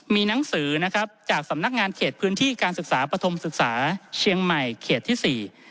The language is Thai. มีหนังสือนะครับจากสำนักงานเขตพื้นที่การศึกษาปฐมศึกษาเชียงใหม่เขตที่สี่